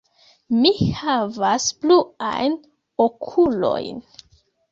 Mi havas bluajn okulojn.